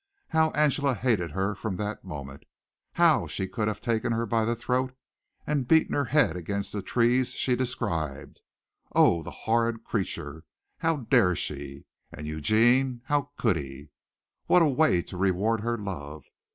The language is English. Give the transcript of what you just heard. How Angela hated her from that moment. How she could have taken her by the throat and beaten her head against the trees she described. Oh, the horrid creature! How dare she! And Eugene how could he! What a way to reward her love!